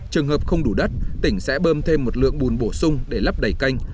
trường hợp không đủ đất tỉnh sẽ bơm thêm một lượng bùn bổ sung để lấp đầy canh